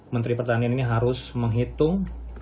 menteri pertanian ini harus menghitung